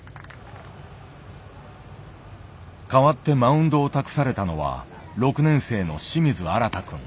代わってマウンドを託されたのは６年生の清水新太くん。